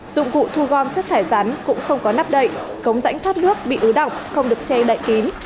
dụng cụ thu gom chất thải rán cũng không có nắp đậy cống rãnh thoát nước bị ứ đọc không được che đại kín